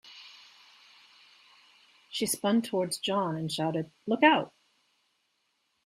She spun towards John and shouted, "Look Out!"